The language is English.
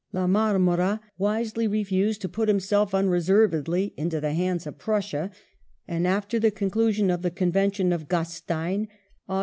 La Marmora wisely refused to put himself unreservedly into the hands of Prussia, and after the conclusion of the Convention of Gastein (Aug.